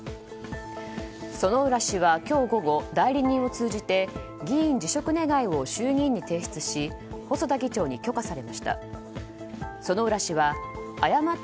薗浦氏は今日午後代理人を通じて議員辞職願を衆議院に提出し細田議長に許可されました。